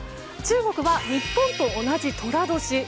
中国は日本と同じ寅年。